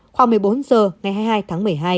khoảng một mươi bốn h ngày hai mươi hai tháng một mươi hai